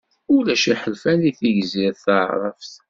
Ulac iḥelfan deg Tegzirt Taεrabt.